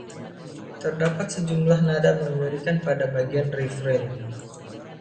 Terdapat sejumlah nada mengerikan pada bagian refrein.